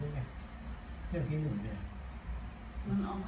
อันนี้ก็ไม่มีเจ้าพ่อหรอก